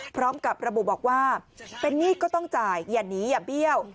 พร้อมกับระบุบอกว่าเป็นหนี้ก็ต้องจ่ายอย่าหนีอย่าเบี้ยว